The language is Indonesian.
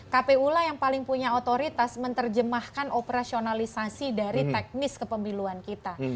kpu lah yang paling punya otoritas menerjemahkan operasionalisasi dari teknis kepemiluan kita